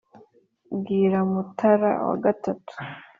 mbwira mutara wa gatatu